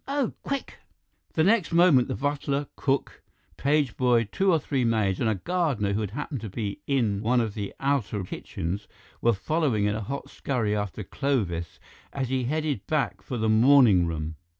Oh, quick!" The next moment the butler, cook, page boy, two or three maids, and a gardener who had happened to be in one of the outer kitchens were following in a hot scurry after Clovis as he headed back for the morning room.